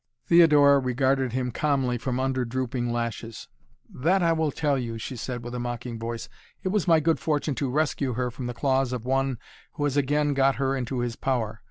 Theodora regarded him calmly from under drooping lashes. "That I will tell you," she said with a mocking voice. "It was my good fortune to rescue her from the claws of one who has again got her into his power.